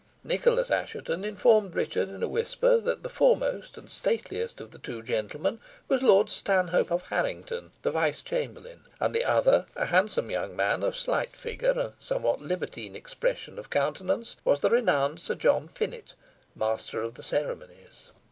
Nicholas Assheton informed Richard in a whisper that the foremost and stateliest of the two gentlemen was Lord Stanhope of Harrington, the vice chamberlain, and the other, a handsome young man of slight figure and somewhat libertine expression of countenance, was the renowned Sir John Finett, master of the ceremonies.